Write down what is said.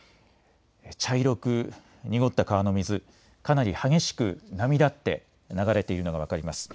茶色く濁った川の水、かなり激しく波立って流れているのが分かります。